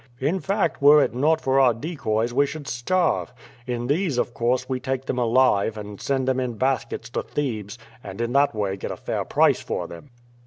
In fact, were it not for our decoys we should starve. In these, of course, we take them alive, and send them in baskets to Thebes, and in that way get a fair price for them."